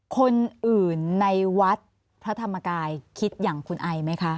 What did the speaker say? คนอื่นในวัดพระธรรมกายคิดอย่างคุณไอไหมคะ